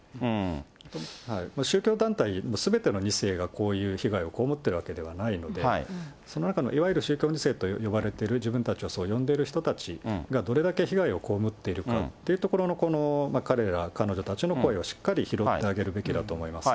宗教団体、すべての２世がこういう被害を被っているわけではないので、その中のいわゆる宗教２世と呼ばれてる、自分たちをそう呼んでる人たちが、どれだけ被害を被っているかというところの、この彼ら、彼女たちの声をしっかり拾ってあげるべきだと思います。